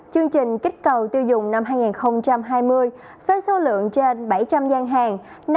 chương trình kích cầu tiêu dùng năm hai nghìn hai mươi với số lượng trên bảy trăm linh gian hàng